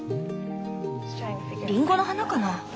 リンゴの花かな？